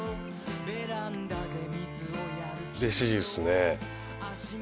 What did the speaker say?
うれしいですね。